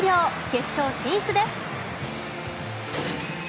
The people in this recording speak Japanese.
決勝進出です。